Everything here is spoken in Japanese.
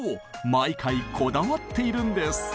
毎回こだわっているんです！